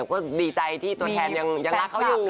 ก็ดีใจที่ตัวแทนยังรักเขาอยู่